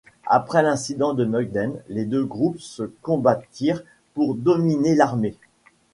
Après l'incident de Mukden, les deux groupes se combattirent pour dominer l'armée.